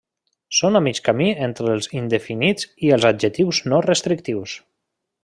Són a mig camí entre els indefinits i els adjectius no restrictius.